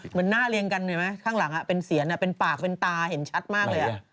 เหมือนหน้าเรียงกันเห็นไหมข้างหลังเป็นเสียนเป็นปากเป็นตาเห็นชัดมากเลย